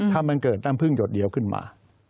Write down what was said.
ถ้ามันเกิดน้ำพึ่งหยดเดียวขึ้นมา